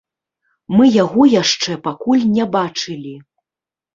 Мы яго яшчэ пакуль не бачылі.